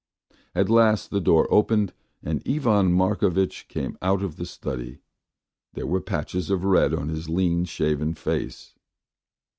At last the door opened and Ivan Markovitch came out of the study; there were patches of red on his lean shaven face.